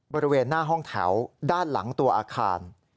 บริเวณหน้าห้องแถวด้านหลังตัวอาคาร